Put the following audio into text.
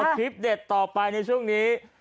คลิปเด็ดต่อไปในช่วงนี้